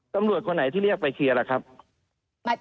ตำรวจคนไหนที่เรียกไปเคลียร์ล่ะครับ